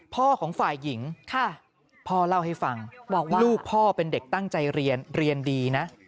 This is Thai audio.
พ่อของฝ่ายหญิงพ่อเล่าให้ฟังบอกว่าลูกพ่อเป็นเด็กตั้งใจเรียนเรียนดีนะ